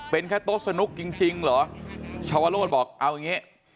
เป็นแค่โต๊ะสนุกจริงเหรอชาวโรธบอกเอาอย่างนี้